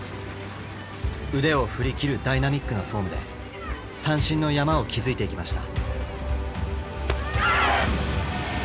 腕を振りきるダイナミックなフォームで三振の山を築いていきました。